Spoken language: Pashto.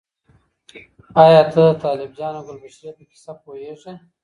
ایا ته د طالب جان او ګلبشرې په کیسه پوهیږې؟